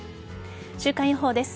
週間予報です。